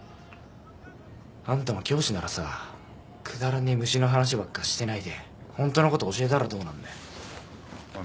あんたも教師ならさくだらねえ虫の話ばっかしてないでホントのこと教えたらどうなんだよ？おい。